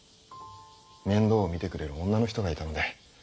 面倒を見てくれる女の人がいたので。